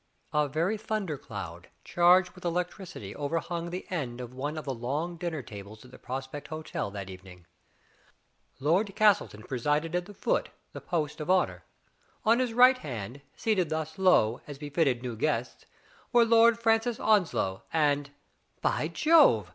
A very thunder cloud, charged with electricity, overhung the end of one of the long dinner tables in the Prospect Hotel that evening. Lord Castleton presided at the foot, the post of honor. On his right hand, seated thus low, as befitted new guests, were Lord Francis Onslow, and, "by Jove!